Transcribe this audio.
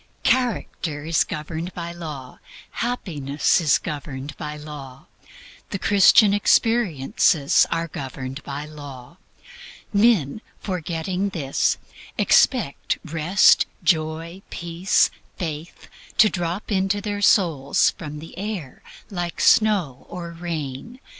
Character is governed by law. Happiness is governed by law. The Christian experiences are governed by law. Men, forgetting this, expect Rest, Joy, Peace, Faith to drop into their souls from the air like snow or rain.